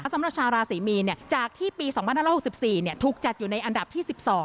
สำหรับชาวราศีมีนจากที่ปี๒๕๖๔ถูกจัดอยู่ในอันดับที่๑๒